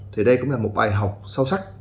thì đây cũng là một bài học sâu sắc